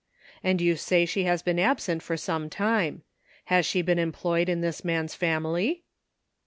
And you say she has been absent for some time. Has she been em ployed in this man's family?